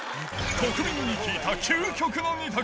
国民に聞いた究極の２択。